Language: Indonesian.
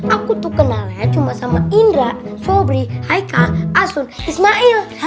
aku tuh kenalnya cuma sama indra sobri haika asun ismail